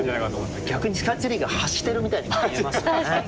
逆にスカイツリーが発してるみたいに見えますよね。